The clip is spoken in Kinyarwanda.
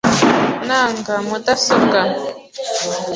Nanga mudasobwa .